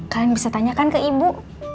kalian bisa tanyakan ke ibu